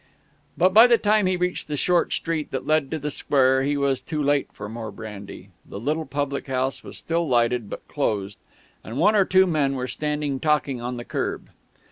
But by the time he reached the short street that led to the square he was too late for more brandy. The little public house was still lighted, but closed, and one or two men were standing talking on the kerb.